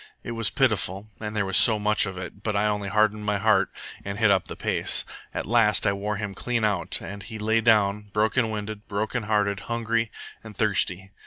It was pitiful, and there was so I much of it, but I only hardened my heart and hit up the pace. At last I wore him clean out, and he lay down, broken winded, broken hearted, hungry, and thirsty.